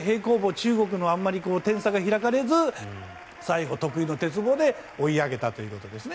中国にあまり点差が開かれず最後、得意の鉄棒で追い上げたということですね。